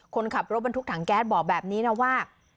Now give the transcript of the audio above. คนขับรถบรรทุกถังแก๊สบอกแบบนี้นะว่า